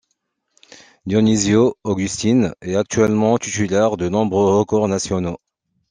Dionisio Augustine est actuellement titulaire de nombreux records nationaux.